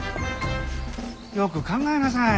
よく考えなさい。